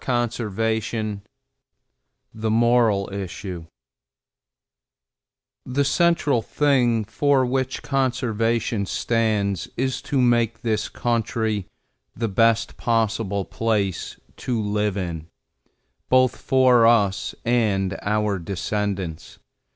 CHAPTER VII THE MORAL ISSUE The central thing for which Conservation stands is to make this country the best possible place to live in, both for us and for our descendants.